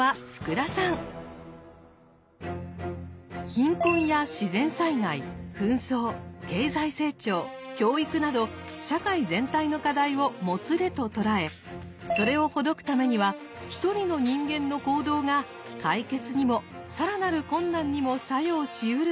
貧困や自然災害紛争経済成長教育など社会全体の課題を「もつれ」と捉えそれをほどくためには一人の人間の行動が解決にも更なる困難にも作用しうると主張。